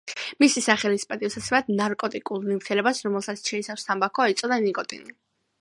მისი სახელის პატივსაცემად ნარკოტიკულ ნივთიერებას, რომელსაც შეიცავს თამბაქო ეწოდა ნიკოტინი.